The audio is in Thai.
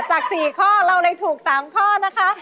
จาก๔ข้อเราเลยถูก๓ข้อนะคะ